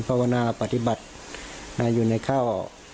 ภาวนาปฏิบัติอยู่ในข้าว